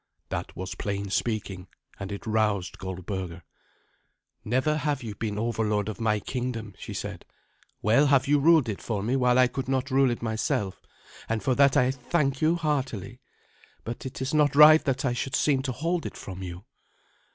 That was plain speaking, and it roused Goldberga. "Never have you been overlord of my kingdom," she said. "Well have you ruled it for me while I could not rule it myself, and for that I thank you heartily. But it is not right that I should seem to hold it from you."